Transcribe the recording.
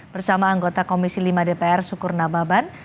bersama anggota komisi lima dpr sukur nababan